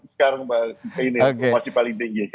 sekarang ini masih paling tinggi